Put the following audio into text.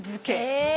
へえ！